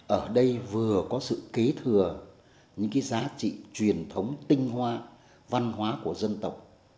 ở đây vừa có sự kế thừa những cái giá trị truyền thống tinh hoa văn hóa của dân tộc